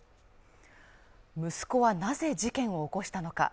息子はなぜ事件を起こしたのか。